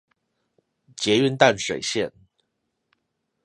捷運淡水線